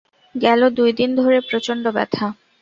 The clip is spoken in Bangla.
গেল দুই দিন ধরে প্রচণ্ড ব্যথা।